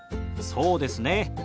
そうですねえ。